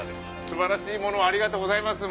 素晴らしいものをありがとうございます